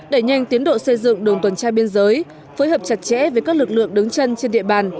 đẩy nhanh tiến độ xây dựng đồn tuần trai biên giới phối hợp chặt chẽ với các lực lượng đứng chân trên địa bàn